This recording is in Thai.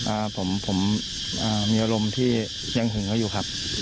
เอ่อผมมีอารมณ์ที่ยังหึงเอาอยู่ครับ